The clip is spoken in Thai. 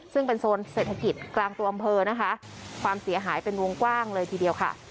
ซึ่งเป็นโซนเศรษฐกิจกลางตัวอำเภอนะคะความเสียหายเป็นวงกว้างเลยทีเดียวค่ะ